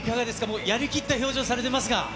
もう、やりきった表情されてますが。